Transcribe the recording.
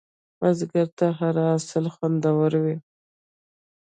بزګر ته هره حاصل خوندور وي